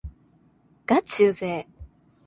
がちうぜぇ